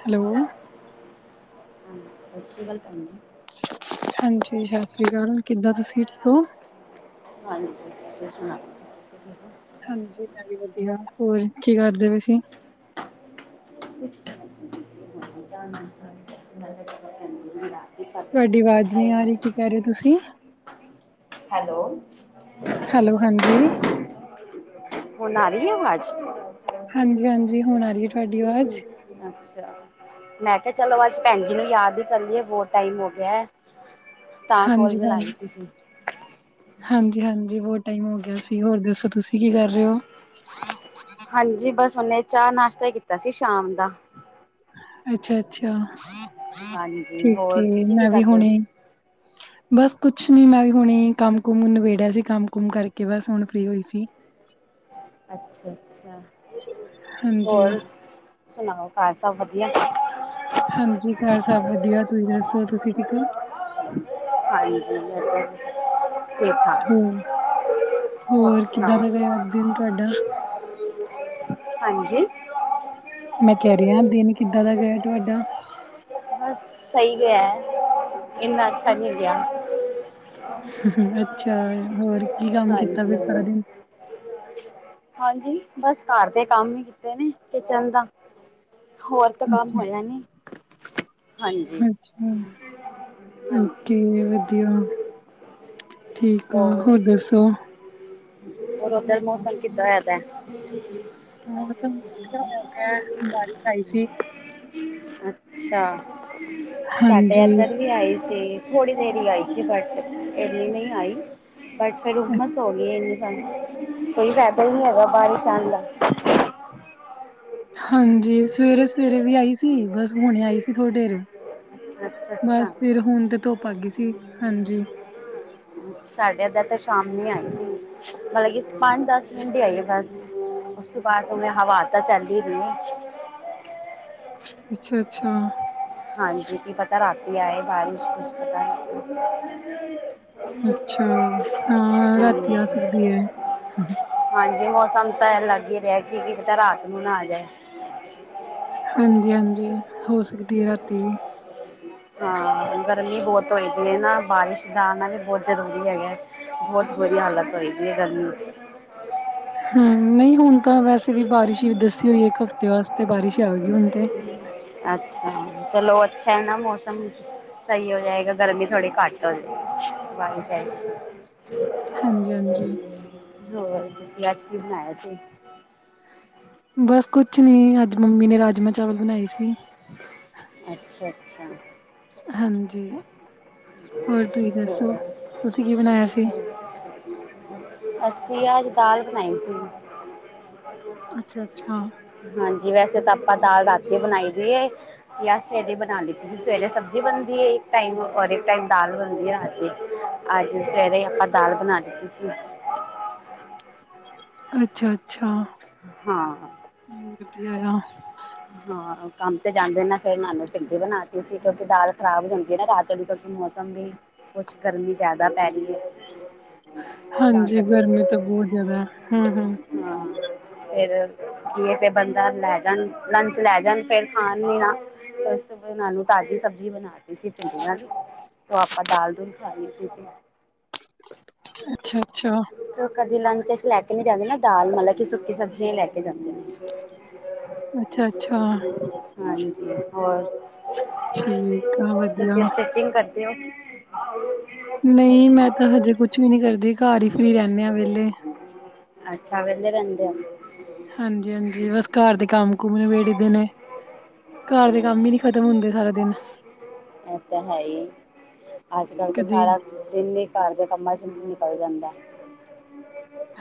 Hello! ਹਾਂਜੀ, ਸਸ਼੍ਰੀ ਕਾਲ ਭੈਨਜੀ। ਹਾਂਜੀ ਸਾਸ੍ਰੀ ਕਾਲ। ਕਿੱਦਾਂ ਤੁਸੀਂ ਠੀਕ ਹੋ? ਹਾਂਜੀ ਤੁਸੀ ਸੁਣਾਓ? ਹਾਂਜੀ ਮੈਂ ਵੀ ਵਧੀਆ। ਹੋਰ ਕੀ ਕਰਦੇ ਬੇ ਸੀਂ? [unintelligible] ਤੂੰਐਡੀ ਹੈ ਬਹੁਤ ਵਾਜ਼ ਨੀ ਟਾਈਮ ਆ ਹੋ ਰੀ ਕੀ ਕੈ ਗਿਆ ਰੇ ਓ ਤੁਸੀਂ। ਹੈਲੋ ਹੈਲੋ, ਹਾਂਜੀ। ਹੁਨ ਆ ਰੀ ਏ ਵਾਜ਼? ਹਾਂਜੀ- ਹਾਂਜੀ ਹੁਣ ਆ ਰੀ ਏ। ਹੂੰ। ਅੱਛਾ! ਮੈਂ ਕਿਆ ਚਲੋ ਅੱਜ ਭੈਨਜੀ ਨੂੰ ਯਾਦ ਈ ਕਰ ਲਈਏ ਬੋਤ ਟਾਈਮ ਹੋ ਗਿਆ। ਤਾਂ ਕੋਲ ਹਾਂਜੀ ਮਿਲਾ ਹਾਂਜੀ ਲਿਤੀ ਸੀ। ਹਾਂਜੀ- ਹਾਂਜੀ ਬਹੁਤ ਟਾਈਮ ਹੋ ਗਿਆ ਸੀ, ਹੋਰ ਦੱਸੋ ਤੁਸੀਂ ਕੀ ਕਰ ਰੇ ਓ। ਹਾਂਜੀ ਬਸ ਹੁਨੇ ਚਾਂ - ਨਾਸ਼ਤਾ ਈ ਕੀਤਾ ਸੀ ਸ਼ਾਮ ਦਾ। ਅੱਛਾ- ਅੱਛਾ। ਹਾਂਜੀ, ਠੀਕ ਹੋਰ ਹੈ ਤੁਸੀਂ ਕੀ ਮੈਂ ਕਰ ਵੀ ਰੇ ਓ? ਹੁਣੇ ਬਸ ਕੁਛ ਨੀ ਮੈਂ ਵੀ ਹੁਣੇ ਈ ਕੰਮ- ਕੁਮ ਨਿਬੇੜਿਆ ਸੀ। ਕੰਮ- ਕੁਮ ਕਰਕੇ ਬਸ ਹੁਣ ਫ੍ਰੀ ਹੋਈ ਸੀ। ਅੱਛਾ - ਅੱਛਾ! ਹਾਂਜੀ ਹੋਰ ਸੁਣਾਓ ਘਰ ਸਭ ਵਧੀਆ? ਹਾਂਜੀ ਘਰ ਸਭ ਵਧੀਆ। ਤੁਸੀਂ ਦੱਸੋ ਤੁਸੀਂ ਠੀਕ ਓ? [inaudible] ਹਾਂਜੀ [unintelligible] ਠੀਕ-ਠਾਕ। ਹੋਰ ਹੋਰ ਸੁਨਾਓ? ਫੇਰ ਅੱਜ ਦਿਨ ਤੁਆ ਹਾਂਜੀ। ਮੈਂ ਕੈ ਰੀ ਆ ਦਿਨ ਕਿੱਦਾਂ ਦਾ ਗਿਆ ਤੁਆਡਾ? ਬਸ ਸਈ ਗਿਆ ਇੰਨਾ ਅੱਛਾ ਨੀ ਗਿਆ। [unintelligible] [unintelligible] ਅੱਛਾ ਹੋਰ ਕੀ ਕੰਮ ਕੀਤਾ ਹਾਂਜੀ ਫੇਰ ਸਾਰਾ ਹਾਂਜੀ ਦਿਨ। ਹਾਂਜੀ ਬਸ ਘਰ ਦੇ ਕੰਮ ਈ ਕੀਤੇ ਨੇ ਕਿਚਨ ਦਾ। ਹੋਰ ਤਾਂ ਕੰਮ ਅੱਛਾ ਹੋਇਆ ਨੀ। ਹਾਂਜੀ ਅੱਛਾ! ਹਾਂਜੀ ਓਕੇ, ਵਧੀਆ। ਠੀਕ ਆ, ਹੋਰ ਦੱਸੋ? ਹੋਰ ਓਧਰ ਮੌਸਮ ਕਿੱਦਾਂ ਹੋਇਐ ਦੈ? ਮੌਸਮ ਵਧੀਆ ਹੋਇਆ ਪਿਐ, ਬਾਰਿਸ਼ ਆਈ ਸੀ। ਅੱਛਾ! ਸਾਡੇ ਹਾਂਜੀ ਐਧਰ ਵੀ ਆਈ ਸੀ। ਥੋੜੀ ਦੇਰ ਈ ਆਈ ਸੀ ਬਟ ਏਨੀ ਨਈ ਆਈ। ਬਟ ਫੇਰ ਅ- ਹੁੰਮਸ ਹੋ ਗੀ ਏ ਏਨੀ ਸਾਰੀ, ਕੋਈ ਫੈਦਾ ਈ ਨੀ ਹੈਗਾ ਬਾਰਿਸ਼ ਆਨ ਦਾ। ਹਾਂਜੀ ਸਵੇਰੇ -ਸਵੇਰੇ ਵੀ ਆਈ ਸੀ ਬਸ ਹੁਣੇ ਆਈ ਸੀ ਥੋੜੀ ਦੇਰ। ਅੱਛਾ-ਅੱਛਾ ਬਸ ਫਿਰ ਹੁਨ ਤੇ ਧੁੱਪ ਆ ਗੀ ਸੀ, ਹਾਂਜੀ। ਹਮ ਸਾਡੇ ਐਧਰ ਤਾ ਸ਼ਾਮ ਨੂੰ ਈ ਆਈ ਸੀ ਮਲਬ ਕਿ ਪੰਜ-ਦਸ ਮਿੰਟ ਈ ਆਈ ਏ ਬਸ। ਉਸ ਤੋਂ ਬਾਦ ਉਵੇਂ ਹਵਾ ਤਾਂ ਚੱਲਦੀ ਪੀ ਏ। ਅੱਛਾ ਅੱਛਾ। ਹਾਂਜੀ ਕੀ ਪਤਾ ਰਾਤੀ ਆਏ ਬਾਰਿਸ਼ ਕੁਛ ਪਤਾ ਨੀਂ। ਹਾਂਜੀ। ਅੱਛਾ ਹਾਂ ਰਾਤੀ ਆ ਸਕਦੀ ਹੈ ਹਾਂਜੀ ਮੌਸਮ ਤਾਂ ਐ ਲੱਗ ਹੀ ਰਿਹਾ ਕਿ ਕੀ ਕਿਤੇ ਰਾਤ ਨੂੰ ਨਾ ਆ ਜਾਏ। ਹਾਂਜੀ ਹਾਂਜੀ ਹੋ ਸਕਦੀ ਰਾਤੀ। ਹਾਂ, ਗਰਮੀ ਬਹੁਤ ਹੋਈ ਪਈ ਐ ਨਾ, ਬਾਰਿਸ਼ ਦਾ ਆਣਾ ਵੀ ਬਹੁਤ ਜ਼ਰੂਰੀ ਹੈਗਾ। ਬਹੁਤ ਬੁਰੀ ਹਾਲਤ ਹੋਈ ਪਈ ਐ ਗਰਮੀ ਚ। ਹੂੰ ਨਹੀਂ ਹੁਣ ਤਾਂ ਵੈਸੇ ਵੀ ਬਾਰਿਸ਼ ਹੀ ਦੱਸੀ ਹੋਈ ਏ ਇੱਕ ਹਫ਼ਤੇ ਵਾਸਤੇ, ਬਾਰਿਸ਼ ਹੀ ਆਵੇਗੀ ਹੁਣ ਤੇ। ਅੱਛਾ ਚਲੋ, ਅੱਛਾ ਐ ਨਾ ਮੌਸਮ। ਸਹੀ ਹੋ ਜਾਏਗਾ, ਗਰਮੀ ਥੋੜੀ ਘੱਟ ਹੋ ਜੇ ਬਾਰਿਸ਼ [inaudible] ਹਾਂਜੀ-ਹਾਂਜੀ, ਹੋਰ ਤੁਸੀਂ ਅੱਜ ਕੀ ਬਣਾਇਆ ਸੀ? ਬਸ ਕੁਛ ਨੀ, ਅੱਜ ਮੰਮੀ ਨੇ ਰਾਜਮਾਂਹ ਚਾਵਲ ਬਣਾਏ ਸੀ। ਅੱਛਾ ਅੱਛਾ। ਹਾਂਜੀ। ਹੋਰ ਤੁਸੀਂ ਦੱਸੋ, ਤੁਸੀਂ ਕੀ ਬਣਾਇਆ ਸੀ? ਅਸੀ ਅੱਜ ਦਾਲ ਬਣਾਈ ਸੀ। ਅੱਛਾ ਅੱਛਾ। ਹਾਂਜੀ, ਵੈਸੇ ਤਾਂ ਆਪਾਂ ਦਾਲ ਰਾਤੀ ਬਣਾਈ ਦੀ ਏ। ਜਾ ਸਵੇਰੇ ਬਣਾਈ ਲਿੱਤੀ ਸੀ, ਸਵੇਰੇ ਸਬਜ਼ੀ ਬਣਦੀ ਏ ਇੱਕ ਟਾਈਮ ਔਰ ਇੱਕ ਟਾਈਮ ਦਾਲ ਬਣਦੀ ਆ ਰਾਤੀਂ। ਅੱਜ ਸਵੇਰੇ ਹੀ ਆਪਾਂ ਦਾਲ ਬਣਾ ਦਿੱਤੀ ਸੀ। ਅੱਛਾ ਅੱਛਾ। ਹਾਂ। ਹੂੰ ਵਧੀਆ ਆ। ਹਾਂ ਕੰਮ ਤੇ ਜਾਂਦੇ ਨਾ ਫੇਰ ਨਾਲ ਭਿੰਡੀ ਬਣਾਤੀ ਸੀ ਕਿਉਂਕਿ ਦਾਲ ਖ਼ਰਾਬ ਹੋ ਜਾਂਦੀ ਨਾ ਰਾਤ ਵਾਲੀ ਕਿਉਂਕਿ ਮੌਸ ਸ਼ਾਮੀ ਕੁਛ ਗਰਮੀ ਜ਼ਿਆਦਾ ਪੈ ਰਹੀ ਐ। ਤਾਂ ਹਾਂਜੀ ਕਰਕੇ ਗਰਮੀ ਤਾਂ ਬਹੁਤ ਜ਼ਿਆਦਾ ਹੂੰ-ਹੂੰ, ਹਾਂ ਫੇਰ ਕੀ ਐ ਬੰਦਾ ਲੈ ਜਾਣ ਲੰਚ ਲੈ ਜਾਣ, ਫੇਰ ਖਾਣ ਵੀ ਨਾ ਬਸ ਏਨਾ ਨੂੰ ਤਾਜ਼ੀ ਸਬਜ਼ੀ ਬਣਾਤੀ ਸੀ ਭਿੰਡੀਆਂ ਦੀ। ਓ ਆਪਾਂ ਦਾਲ ਦੂਲ ਖਾ ਲਈ ਸੀ। ਅੱਛਾ ਅੱਛਾ। ਕਦੀ ਲੰਚ ਵਿੱਚ ਲੈ ਕੇ ਨੀ ਜਾਂਦੇ ਨਾ, ਦਾਲ ਮਤਲਬ ਕਿ ਸੁੱਕੀ ਸਬਜ਼ੀਆਂ ਲੈ ਕੇ ਜਾਂਦੇ ਨੇ। ਅੱਛਾ-ਅੱਛਾ, ਹਾਂਜੀ। ਹੋਰ? ਠੀਕ ਆ ਵਧੀਆ ਤੁਸੀਂ ਸਟਿਚਿੰਗ ਕਰਦੇ ਹੋ? ਨਹੀਂ ਮੈਂ ਤਾਂ ਹਜੇ ਕੁਛ ਵੀ ਨਹੀਂ ਕਰਦੀ, ਘਰ ਹੀ ਫ੍ਰਰੀ ਰਹਿਣੇ ਆ ਵਿਹਲੇ। ਅੱਛਾ ਵਿਹਲੇ ਰਹਿੰਦੇ ਓ? ਹਾਂਜੀ ਹਾਂਜੀ, ਬਸ ਘਰ ਦੇ ਕੰਮ ਕੁਮ ਨਬੇੜੀ ਦੇ ਨੇ। ਘਰ ਦੇ ਹੂੰ, ਕੰਮ ਹੀ ਨੀ ਖਤਮ ਹੁੰਦੇ ਸਾਰਾ ਦਿਨ ਐ ਤਾਂ ਹੈ ਈ, ਅੱਜ ਕੱਲ੍ਹ ਤੇ ਕਦੀ ਸਾਰਾ ਦਿਨ ਹੀ ਘਰ ਦੇ ਕੰਮਾਂ ਚ ਨਿਕਲ ਜਾਂਦਾ।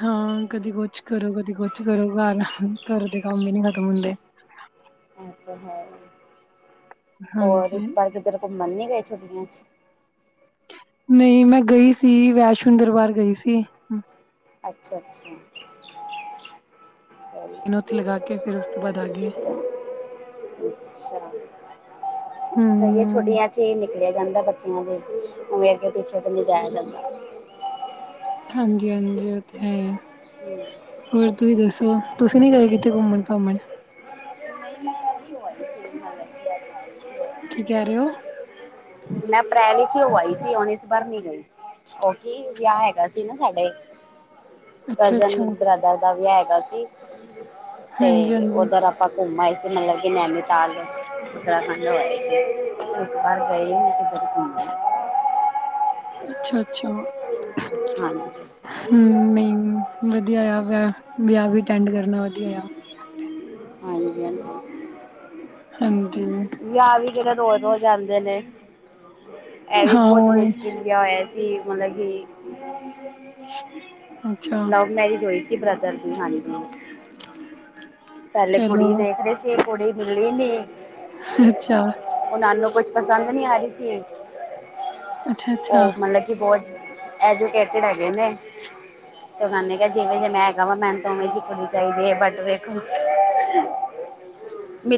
ਹਾਂ, ਕਦੀ ਕੁਛ ਕਰੋ ਕਦੀ ਕੁਛ ਕਰੋ ਘਰ, ਘਰ ਦੇ ਕੰਮ ਹੀ ਨਹੀਂ ਖ਼ਤਮ ਹੁੰਦੇ। ਓ ਤਾ ਹੈ ਹੀ, ਔਰ ਹਾਂਜੀ ਇਸ ਬਾਰ ਕਿ ਕਿਤੇ ਘੁੰਮਣ ਨਹੀਂ ਗਏ ਛੁਟੀਆਂ ਚ? ਨਹੀਂ ਮੈਂ ਗਈ ਸੀ ਵੈਸ਼ਨੋ ਦਰਬਾਰ ਗਈ ਸੀ। ਅੱਛਾ ਅੱਛਾ। ਅੱਛਾ ਜੀ। ਦਿਨ ਉੱਥੇ ਲਗਾ ਕੇ ਫਿਰ ਉਸ ਤੋਂ ਬਾਅਦ ਆ ਗਏ ਅੱਛਾ ਸਹੀ ਏ ਹਮ ਛੁੱਟੀਆਂ 'ਚ ਹੀ ਨਿਕਲਿਆ ਜਾਂਦਾ ਬੱਚਿਆਂ ਦੇ ਉਵੇ ਅੱਗੇ ਪਿੱਛੇ ਤੇ ਨਹੀ ਜਾਇਆ ਜਾਂਦਾ ਹਾਂਜੀ ਹਾਂਜੀ ਉਹ ਤੇ ਹੈ ਈ ਏ [unintelligible] ਹੋਰ ਤੁਸੀਂ ਦੱਸੋ ਤੁਸੀਂ ਨੀ ਗਏ ਕਿੱਥੇ ਘੁੰਮਣ-ਘਾਮਣ [unintelligible] ਕੀ ਕਹਿ ਰਹੇ ਸੀ ਔ ਮੈਂ ਅਪ੍ਰੈਲ ਇਚ ਹੀ ਹੋ ਆਈ ਹੁਨ ਇਸ ਵਾਰ ਨੀ ਗਈ ਉਹ ਕੀ ਵਿਆਹ ਹੈਗਾ ਸੀ ਨਾ ਸਾਡੇ ਅੱਛਾ ਕਜ਼ਨ ਅੱਛਾ ਬ੍ਰਦਰ ਦਾ ਵੀਆ ਹੈਗਾ ਸੀ ਹਾਂਜੀ ਤੇ ਹਾਂਜੀ ਓਧਰ ਘੁੰਮ ਆਈ ਸੀ ਮਤਲਬ ਕਿ ਨੈਨੀਤਾਲ ਉੱਤਰਾਖੰਡ ਹੋ ਆਈ ਸੀ ਇਸ ਬਾਰ ਗਈ ਨੀ ਕਿਧਰੇ ਅੱਛਾ ਅੱਛਾ [unintelligible] ਹਾਂਜੀ ਹਮ ਨਹੀਂ ਵਦੀਆ ਆ ਵਿਆਹ, ਵਿਆਹ ਵੀ ਅਟੈਂਡ ਕਰਨਾ ਵਦੀਆ ਆ ਹਾਂਜੀ ਹਾਂਜੀ ਹਾਂਜੀ ਵਿਆਹ ਵੀ ਕਿਹੜੇ ਰੋਜ਼ ਰੋਜ਼ ਆਂਦੇ ਨੇ ਇਹ ਵੀ ਹਾਂ ਬਹੁਤ ਉਹੀ ਮੁਸ਼ਕਿਲ ਵਿਆਹ ਹੋਆ ਸੀ ਮਤਲਬ ਕਿ ਅੱਛਾ ਲਵ ਮੈਰਿਜ ਹੋਈ ਸੀ ਬ੍ਰਦਰ ਦੀ ਹਾਜੀਂ ਦੀ ਪਹਿਲੇ ਕੁੜੀ ਚਲੋ ਦੇਖਦੇ ਸੀ ਇਹ ਕੁੜੀ ਮਿਲੀ ਨੀ ਅੱਛਾ ਉਹਨਾ ਨੂੰ ਕੁਛ ਪਸੰਦ ਨੀ ਆ ਰਹੀ ਸੀ ਅੱਛਾ-ਅੱਛਾ, ਉਹ ਮਤਲਬ ਕਿ ਬਹੁਤ ਐਜੂਕੇਟੇਡ ਹੈਗੇ ਨੇ ਤੇ ੳਨਹਾ ਨੇ ਕਿਹਾ ਜਿਵੇਂ ਜਿਵੇੈਂ ਹੈਗਾ ਵਾ ਮੈਨੂੰ ਤਾ ਉਵੇਂ ਦੀ ਕੂੜੀ ਚਾਹੀਦੀ ਹੈ ਬਟ ਵੇਖੋ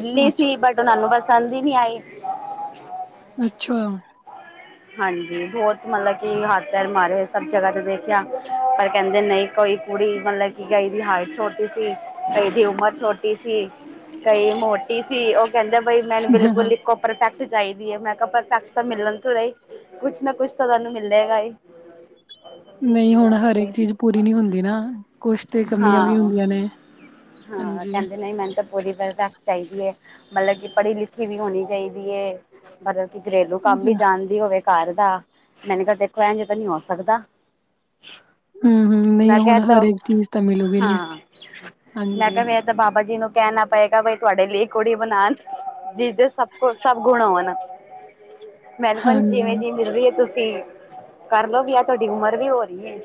ਅੱਛਾ, ਸੀ ਬਟ ਉਹਨਾ ਨੂੰ ਪਸੰਦ ਹੀ ਨੀ ਆਈ ਅੱਛਾ ਹਾਂਜੀ ਬਹੁਤ ਮਤਲਬ ਕਿ ਹੱਥ ਪੈਰ ਮਾਰੇ ਸਭ ਜਗ੍ਹਾ ਤੇ ਦੇਖਿਆ ਪਰ ਕਹਿੰਦੇ ਨਹੀਂ ਕੋਈ ਕੁੜੀ ਮਤਲਬ ਕਿ ਕਈ ਦੀ ਹਾਈਟ ਛੋਟੀ ਸੀ ਕਈ ਦੀ ਉਮਰ ਛੋਟੀ ਸੀ ਕਈ ਮੋਟੀ ਸੀ ਉਹ ਕਹਿੰਦੇ ਬਾਈ ਮੈਨੂੰ ਹਾਂ। ਬਿਲਕੁਲ ਇੱਕੋ ਪਰਫੈਕਟ ਚਾਹੀਦੀ ਏ ਮੈਂ ਕਿਹਾ ਪਰਫੈਕਟ ਤਾਂ ਮਿਲਣ ਤੋ ਰਹੀ ਕੁਛ ਨਾ ਕੁਛ ਤਾਂ ਤੁਹਾਨੂੰ ਮਿਲੇਗਾ ਹੀ ਨਹੀਂ ਹੁਣ ਹਰੇਕ ਚੀਜ਼ ਪੂਰੀ ਨੀ ਹੁੰਦੀ ਨਾ ਕੁਛ ਤੇ ਕਮੀਆਂ ਵੀ ਹਾਂ ਹੁੰਦੀਆਂ ਨੇ ਹਾਂ ਹਾਂਜੀ। ਕਹਿੰਦੇ ਨਹੀਂ ਮੈਂਨੂ ਤਾਂ ਪੂਰੀ ਪਰਫੈਕਟ ਚਾਹੀਦੀ ਹੈ ਮਤਲਬ ਕਿ ਪੜ੍ਹੀ ਲਿਖੀ ਵੀ ਹੋਣੀ ਚਾਹੀਦੀ ਏ ਮਤਲਬ ਕਿ ਘਰੇਲੂ ਕੰਮ ਵੀ ਅੱਛਾ, ਜਾਣਦੀ ਹੋਵੇ ਘਰ ਦਾ ਮੈਨੇ ਕਿਆ ਦੇਖੋ ਐਜਂ ਤਾਂ ਨੀ ਹੋ ਸਕਦਾ ਹੂੰ-ਹੂੰ, ਨਹੀਂ ਮੈਂ ਕਿਹਾ ਹੁਣ ਹਰ ਤੋਂ ਇੱਕ ਚੀਜ਼ ਤਾਂ ਮਿਲੂਗੀ ਨੀ, ਹਾਂ ਮੈਂ ਹਾਂਜੀ। ਕਿਹਾ ਬਾਬਾ ਜੀ ਨੂੰ ਕਹਿਣਾ ਪਏਗਾ ਬਈ ਤੁਹਾਡੇ ਲਈ ਕੁੜੀ ਬਣਾਣ ਜਿਹਦੇ ਸਭ ਕੁ ਸਭ ਗੁਣ ਹੋਣ ਮੈਨੂੰ ਕੋਹਣ ਹਾਂਜੀ, ਜਿਵੇਂ ਮਿਲਦੀ ਹੈ ਤੁਸੀਂ ਕਰਲੋ ਵੀ ਆ ਤੁਹਾਡੀ ਉਮਰ ਵੀ ਹੋ ਰਹੀ ਹੈ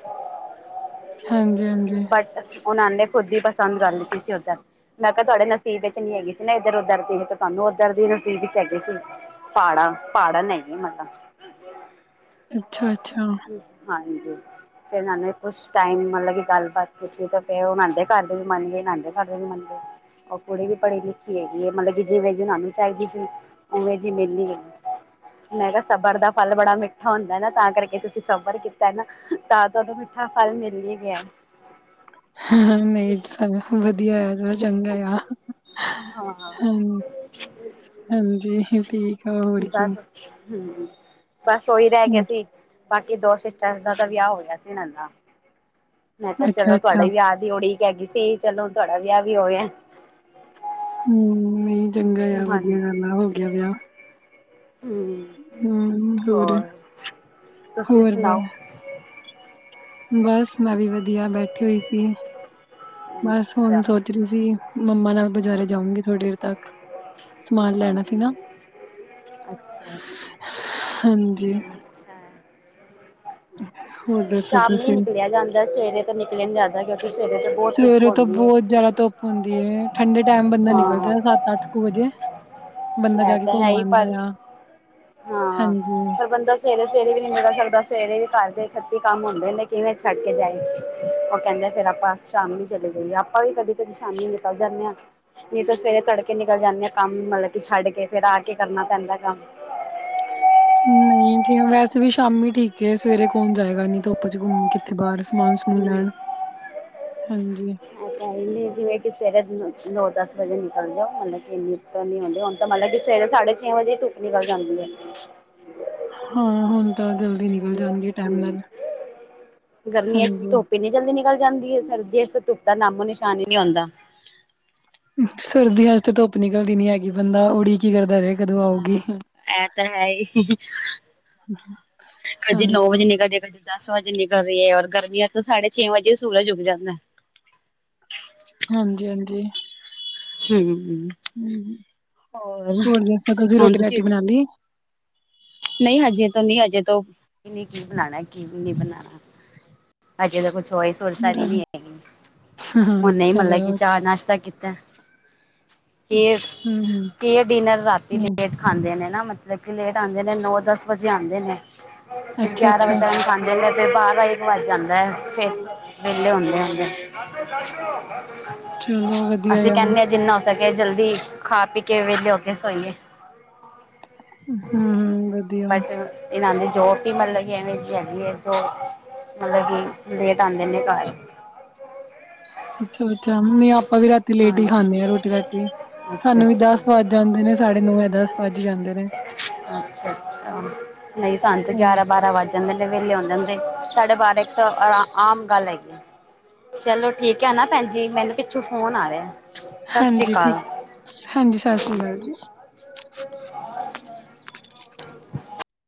ਹਾਂਜੀ ਹਾਂਜੀ ਬਟ ਉਹਨਾਂ ਨੇ ਖੁਦ ਹੀ ਪਸੰਦ ਕਰ ਲਿਤੀ ਸੀ ਉੱਧਰ ਮੈਂ ਕਿਹਾ ਤੁਹਾਡੇ ਨਸੀਬ ਵਿਚ ਨੀ ਹੈਗੀ ਸੀ ਨਾ ਇੱਧਰ ਉਧਰ ਦੀ ਹੀ ਤੇ ਤੁਹਾਨੂੰ ਉੱਧਰ ਦੀ ਨਸੀਬ ਵਿੱਚ ਹੈਗੀ ਸੀ ਪਾੜਾਂ ਪਹਾੜਨ ਹੈਗੀ ਮਤਲਬ ਅੱਛਾ-ਅੱਛਾ ਹਾਂਜੀ ਫੇਰ ਏਹਨਾ ਨੇ ਕੁਛ ਟਾਈਮ ਮਤਲਬ ਕਿ ਗੱਲਬਾਤ ਕੀਤੀ, ਤੇ ਫੇਰ ਓਹ ਨਾਦੇ ਘਰ ਦੇ ਵੀ ਮੰਨ ਗਏ, ਇਹ ਨਾਦੇ ਘਰ ਦੇ ਵੀ ਮੰਨ ਗਏ। ਓਹ ਕੁੜੀ ਵੀ ਪੜੀ ਲਿਖੀ ਹੈਗੀ ਏ, ਮਤਲਬ ਕਿ ਜਿਵੇਂ ਜਿਨਾਨੂ ਚਾਹੀਦੀ ਸੀ। ਉਵੇਂ ਜੀ ਮਿੱਲੀ ਏ, ਮੈਂ ਕੇਹਾ ਸਬਰ ਦਾ ਫਲ ਬੜਾ ਮਿੱਠਾ ਹੁੰਦਾ ਹੈ ਨਾ ਤਾਂ ਕਰਕੇ ਤੁਸੀਂ ਸਬਰ ਕੀਤੈ ਨਾ ਤਾਂ ਤੁਹਾਨੂ ਮਿੱਠਾ ਫਲ ਮਿਲ ਵੀ ਗਿਆ। ਨਹੀਂ ਚਲੋ ਵਧੀਆ ਆ ਚ ਚੰਗਾ ਆ। ਹਾਂ ਹੈਲੋ, ਹੈਲੋ ਜੀ ਠੀਕ ਆਂ ਹੋਰ ਕੀ। ਬਸ ਹੂੰ ਬਸ ਓਹੀ ਰਹਿ ਗਏ ਹੂੰ, ਸੀ, ਬਾਕੀ ਦੋ ਸਿਸਟਰ ਦਾ ਤਾਂ ਵਿਆਹ ਹੋ ਗਿਆ ਸੀ ਇਹਨਾਂ ਦਾ। ਮੈਂ ਕੇਹਾ ਚੱਲੋ ਅੱਛਾ-ਅੱਛਾ, ਤੁਹਾਡੇ ਵਿਆਹ ਦੀ ਉਡੀਕ ਹੈਗੀ ਸੀ, ਚੱਲੋ ਤੁਹਾਡਾ ਵਿਆਹ ਵੀ ਹੋ ਗਿਆ। ਹੁਂ ਨਹੀਂ ਚੰਗਾ ਆ ਵਧੀਆ ਹਾਂਜੀ। ਗੱਲ ਆ, ਹੋ ਗਿਆ ਵਿਆਹ। ਹੁੰ, ਹੋਰ ਤੁਸੀ ਵੀ ਹੋਰ ਬਸ ਸੁਣਾਓ ਬਸ ਮੈਂ ਵੀ ਵਧੀਆ ਬੈਠੀ ਹੋਈ ਸੀ, ਬਸ ਹੁਣ ਅੱਛਾ, ਸੋਚ ਰਹੀ [unintelligible] ਮੰਮਾ ਨਾਲ ਬਜ਼ਾਰੇ ਜਾਉਂਗੀ ਥੋੜ੍ਹੀ ਦੇਰ ਤੱਕ, ਸਮਾਨ ਲੈਣਾ ਸੀ ਨਾ ਅਛਾ ਬੜਾ ਹਾਂਜੀ ਅੱਛਾ ਐ ਹੋਰ ਦੱਸੋ ਸ਼ਾਮੀ ਤੁਸੀਂ ਨਿਕਲੇਆ ਜਾਂਦੈ, ਸਵੇਰੇ ਤੋਂ ਨਿਕਲੇਆ ਨੀ ਜਾਂਦਾ ਕਿਉ ਸਵੇਰੇ ਤੇ ਬਹੁਤ ਧੁੱਪ ਹੋਂਦੀ ਐ। ਜਰਾ ਤੋਂ ਹੁੰਦੀ ਐ ਠੰਡੇ ਟੈਮ ਬੰਦਾ ਨਿਕਲ ਜੇ ਹਾਂ, ਸੱਤ-ਅੱਠ ਕੁ ਵਜੇ। ਬੰਦਾ ਐ ਜਾ ਕੇ ਤਾਂ ਹੈ ਘੁੱਮ ਹੀ ਆਂਦੈ ਪਰ ਆ। ਹਾਂਜੀ ਹਾਂ ਬੰਦਾ ਸਵੇਰੇ-ਸਵੇਰੇ ਵੀ ਨੀ ਨਿਕਲ ਸਕਦਾ ਸਵੇਰੇ ਘਰ ਦੇ ਛੱਤੀ ਕੰਮ ਹੁੰਦੇ ਨੇ, ਕਿਵੇਂ ਛੱਡ ਕੇ ਜਾਏ। ਓਹ ਕਹਿੰਦੇ ਫੇਰ ਆਪਾਂ ਸ਼ਾਮੀ ਚਲੇ ਜਾਈਏ, ਆਪਾਂ ਵੀ ਕਦੀ-ਕਦੀ ਸ਼ਾਮੀ ਨਿਕਲ ਜਾਂਣੇ ਆਂ। ਨਹੀਂ ਤਾਂ ਸਵੇਰੇ ਤੜਕੇ ਨਿਕਲ ਜਾਂਦੇ ਆ ਕੰਮ, ਮਤਲਬ ਕਿ ਛੱਡ ਕੇ ਫੇਰ ਆ ਕੇ ਕਰਨਾ ਪੈਂਦਾ ਕੰਮ। ਨਹੀਂ ਠੀਕ ਆ ਵੈਸੇ ਵੀ ਸ਼ਾਮੀ ਠੀਕ ਹੈ ਸਵੇਰੇ ਕੌਣ ਜਾਏਗਾ ਇੱਨੀ ਧੁੱਪ ਚ ਘੁੰਮ ਕਿੱਥੇ ਬਾਹਰ ਸਮਾਨ ਸਮੂਨ ਹੂੰ। ਲੈਣ। ਹਾਂਜੀ ਜਿਵੇਂ ਕਿ ਸਵੇਰੇ ਨੋ-ਦਸ ਵਜੇ ਨਿਕਲ ਜਾਓ, ਮਤਲਬ ਕਿ ਇੰਨੀ ਪੈਹਲੇ ਹੁੰਦਾ ਹੁਣ ਤਾਂ ਮਤਲਬ ਕਿ ਸਵੇਰੇ ਸਾਢੇ ਛੇ ਵਜੇ ਧੁੱਪ ਨਿਕਲ ਜਾਂਦੀ ਐ। ਹਾਂ ਹੁਣ ਤਾਂ ਜਲਦੀ ਨਿਕਲ ਜਾਂਦੀ ਹੈ ਟਾਈਮ ਨਾਲ ਗਰਮੀਆਂ ਚ ਹਾਂਜੀ ਧੁੱਪ ਇੰਨੀ ਜਲਦੀ ਨਿਕਲ ਜਾਂਦੀ ਹੈ, ਸਰਦੀਆਂ ਇਚ ਤੇ ਧੁੱਪ ਦਾ ਨਾਮੋ ਨਿਸ਼ਾਨ ਹੀ ਨੀ ਹੋਂਦਾ। ਸਰਦੀਆਂ ਇਚ ਤੇ ਧੁੱਪ ਨਿਕਲਦੀ ਨੀ ਹੈਗੀ ਬੰਦਾ ਉੜੀਕ ਈ ਕਰਦਾ ਰਹ ਹਾਂ ਏਹ ਤਾਂ ਹੈ ਹੀ। ਕਦੀ ਨੋ ਹਾਂਜੀ, ਵਜੇ ਨਿਕਲਦੀ, ਕਦੀ ਦਸ ਵਜੇ ਨਿਕਲ ਰਹੀ ਹੈ, ਔਰ ਗਰਮੀਆਂ ਚ ਤੋਂ ਸਾਢੇ ਛੇ ਵਜੇ ਸੂਰਜ ਉਗ ਜਾਂਦੈ। ਹਾਂਜੀ-ਹਾਂਜੀ। ਹੂੰ। ਹੁਂ, ਹੋਰ ਦੱਸੋ ਤੁਸੀਂ ਰੋਟੀ ਰਾਟੀ ਬਣਾਦੀ। ਨਹੀਂ ਹਜੇ ਤੋਂ ਨਹੀਂ ਹਜੇ ਤੋਂ ਇਹਨਾ ਕੀ ਬਣਾਣਾ ਕੀ ਨੀ ਬਣਾਣਾ। ਹਜੇ ਤਾ ਕੁਝ ਚੋਇਸ ਸੁਰ ਸਾਰ ਈ ਨੀ ਹੈਗੀ, ਹੁਣੇ ਇ ਚਲੋ ਮਤਲਬ ਕਿ ਚਾਅ ਨਾਸ਼ਤਾ ਕੀਤਾ। ਕੀਏ, ਹੂੰ, ਕੀਏ ਡਿਨਰ ਰਾਤੀ ਹੂੰ ਲੇਟ ਖਾਂਦੇ ਨੇ ਨਾ ਮਤਲਬ ਕਿ ਲੇਟ ਰਾਤ ਦੇ ਟੈਮ ਨੋ-ਦਸ ਵਜੇ ਆਂਦੇ ਨੇ, ਫੇਰ ਗਿਆਰਾਂ ਵਜੇ ਅੱਛਾ-ਅੱਛਾ ਤੱਕ ਖਾਂਦੇ ਨੇ ਫੇਰ ਬਾਰਾ ਹੀ ਵੱਜ ਜਾਂਦੈ ਫੇ ਵੇਹਲੇ ਹੋੰਦੇਆ। ਚਲੋ ਵਧੀਆ ਅਸੀਂ ਆ ਕੈਨੇ ਆਂ ਜਿੰਨਾ ਹੋ ਸਕੇ ਜਲਦੀ ਖਾ ਪੀ ਕੇ ਵੇਲੇ ਹੋ ਕੇ ਸੌਂਈਏ। ਹਾਂ ਵਧੀਆ ਇਨਾਂ ਦੀ ਜੋਬ ਵੀ ਮੈਨੂੰ ਲੱਗੀ ਐਵੇਂ ਦੀ ਹੈਗੀ ਏ [unintelligible] ਮਤਲਬ ਕਿ ਮਤਲਬ ਕਿ ਲੇਟ ਆਂਦੇ ਨੇ ਘਰ। ਅੱਛਾ, ਅੱਛਾ ਨੀ ਆਪਾਂ ਵੀ ਰਾਤੀ ਲੇਟ ਈ ਹਾਂ ਖਾਨੇ ਆਂ ਰੋਟੀ ਰਾਟੀ ਅੱਛਾ ਸਾਨੂੰ ਵੀ ਅੱਛਾ ਦਸ ਵੱਜ ਜਾਂਦੇ ਨੇ। ਸਾਡੇ ਨੋ ਯਾ ਦਸ ਵੱਜ ਈ ਜਾਂਦੇ ਨੇ। ਅੱਛਾ, ਅੱਛਾ ਨਈ ਸਾਨੂੰ ਤੇ ਗਿਆਰਾਂ, ਬਾਰਾਂ ਵਜ ਜਾਂਦੇ ਨੇ ਵੇਲੇ ਹੁੰਦੇ ਨੇ ਤੇ ਸਾਡੇ ਬਾਰਾਂ ਇੱਕ ਆਮ ਗੱਲ ਹੈਗੀ। ਚਲੋ ਠੀਕ ਐ ਨਾ ਭੈਣਜੀ ਮੈਨੂੰ ਪਿੱਛੋਂ ਫੋਨ ਆ ਰਿਆ। ਹਾਂਜੀ, ਠੀਕ ਹਾਂਜੀ ਸਾਸਸ੍ਰੀਕਾਲ ਜੀ। [inaudible]